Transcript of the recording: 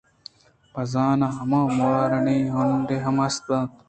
بِہ زاں ہمدا مُورانی ہنونڈے ہم است اَت